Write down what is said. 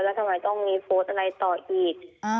แล้วทำไมต้องมีโพสต์อะไรต่ออีก